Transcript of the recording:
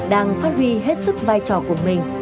đang phát huy hết sức vai trò của mình